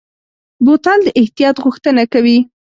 بوتل د احتیاط غوښتنه کوي.